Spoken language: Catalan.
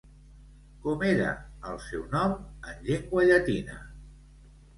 Com era el seu nom en llengua llatina?